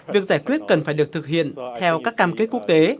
việc giải quyết cần phải được thực hiện theo các cam kết quốc tế